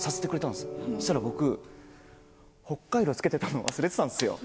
そしたら僕ホッカイロ着けてたのを忘れてたんですよ。